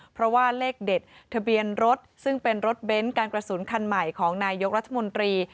เพราะว่าเลขเด็ดทะเบียนรถซึ่งเป็นรถเบ้นการกระสุนคันใหม่ของนายยกรัฐมนตรี